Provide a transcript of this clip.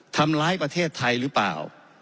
ทำร้ายประเทศไทยหรือเปล่า